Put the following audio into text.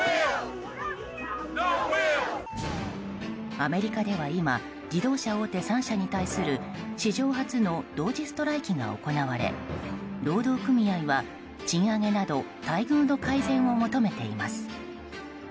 アメリカでは今自動車大手３社に対する史上初の同時ストライキが行われ労働組合は賃上げなど待遇の改善を求めています。